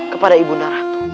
kepada ibu undaku